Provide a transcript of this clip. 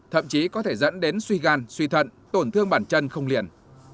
thậm chí có thể dẫn đến suy gan suy thận tổn thương bản chân không liền